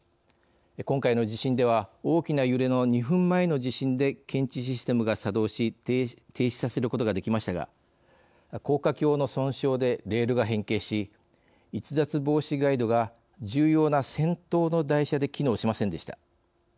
今回の地震では大きな揺れの２分前の地震で検知システムが作動し停止させることができましたが高架橋の損傷でレールが変形し逸脱防止ガイドが重要な先頭の台車で機能しませんでした。